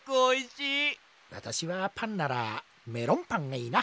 わたしはパンならメロンパンがいいな。